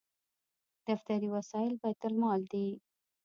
دفتري وسایل بیت المال دي